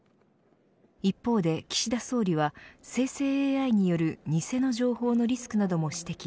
一方で岸田総理は生成ＡＩによる偽の情報のリスクなども指摘。